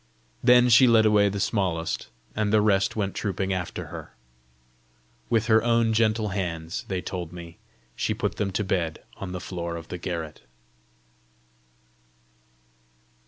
Then she led away the smallest, and the rest went trooping after her. With her own gentle hands, they told me, she put them to bed on the floor of the garret.